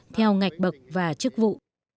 theo ngạch bậc và chức vụ